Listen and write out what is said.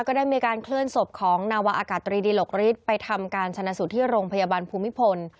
ก็ได้มีการเคลื่อนศพของนาวาอากาศตรีดิหลกฤทธิ์ไปทำการชนะสูตรที่โรงพยาบาลภูมิพล